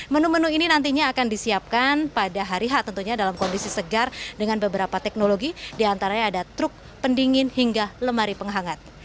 menu menu ini nantinya akan disiapkan pada hari h tentunya dalam kondisi segar dengan beberapa teknologi diantaranya ada truk pendingin hingga lemari penghangat